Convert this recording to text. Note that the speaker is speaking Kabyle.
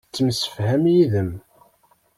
Yettemsefham yid-m.